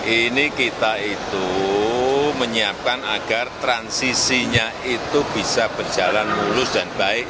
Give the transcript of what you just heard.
ini kita itu menyiapkan agar transisinya itu bisa berjalan mulus dan baik